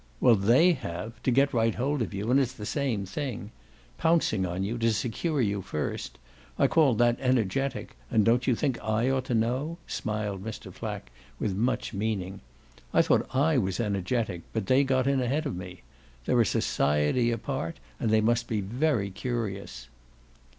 "Well, THEY have to get right hold of you and its the same thing. Pouncing on you, to secure you first I call that energetic, and don't you think I ought to know?" smiled Mr. Flack with much meaning. "I thought I was energetic, but they got in ahead of me. They're a society apart, and they must be very curious."